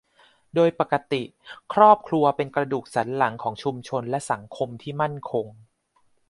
โดยปกติครอบครัวเป็นกระดูกสันหลังของชุมชนและสังคมที่มั่นคง